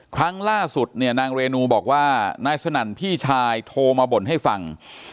ครั้งล่าสุดเนี่ยนางเรนูบอกว่านายสนั่นพี่ชายโทรมาบ่นให้ฟัง